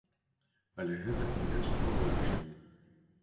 Але гэта не канчатковае рашэнне.